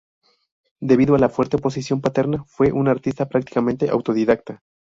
Debido a la fuerte oposición paterna, fue un artista prácticamente autodidacta.